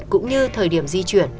cũng như thời điểm di chuyển